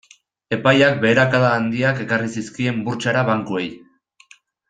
Epaiak beherakada handiak ekarri zizkien burtsara bankuei.